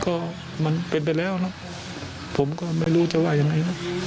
ก็มันเป็นไปแล้วนะผมก็ไม่รู้จะว่ายังไงนะ